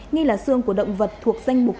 nghi là sương của động vật thuộc danh mục